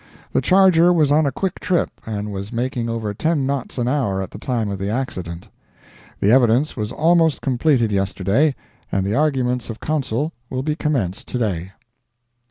The Charger was on a quick trip, and was making over ten knots an hour at the time of the accident. The evidence was almost completed yesterday, and the arguments of counsel will be commenced to day.